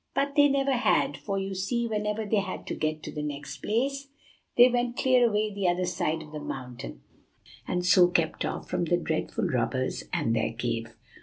But they never had; for you see, whenever they had to get to the next place, they went clear away the other side of the mountain, and so kept off from the dreadful robbers and their cave.